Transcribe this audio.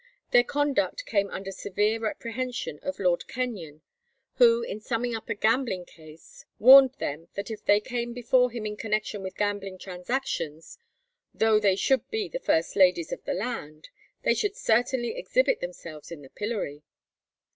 Their conduct came under severe reprehension of Lord Kenyon, who, in summing up a gambling case, warned them that if they came before him in connection with gambling transactions, "though they should be the first ladies of the land," they should certainly exhibit themselves in the pillory.